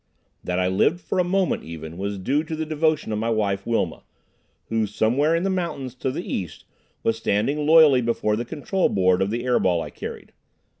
That I lived for a moment even was due to the devotion of my wife, Wilma, who somewhere in the mountains to the east was standing loyally before the control board of the air ball I carried.